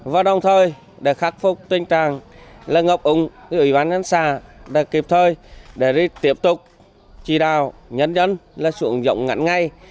và đồng thời để khắc phục tình trạng là ngập ống ủy ban nhân xã để kịp thời để đi tiếp tục chỉ đào nhân dân là sự ứng dụng ngắn ngay